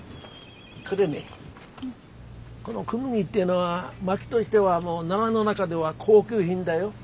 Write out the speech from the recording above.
これねこのクヌギっていうのは薪どしてはもうナラの中では高級品だよ。